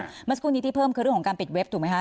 เมื่อสักครู่นี้ที่เพิ่มคือเรื่องของการปิดเว็บถูกไหมคะ